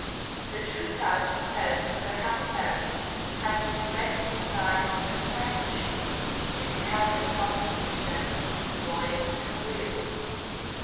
The true touch and test of a happy marriage have respect to the time of the companionship, if it has been constantly gentle, loyal, and agreeable.